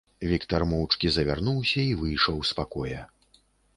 Віктар моўчкі завярнуўся і выйшаў з пакоя.